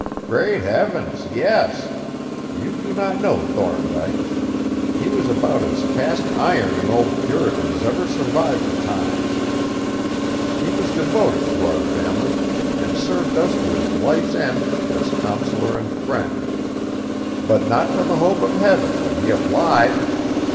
"Great heavens! yes. You do not know Thorndyke. He was about as cast iron an old Puritan as ever survived the times. He was devoted to our family, and served us to his life's end as counsellor and friend; but not for the hope of heaven would he have lied!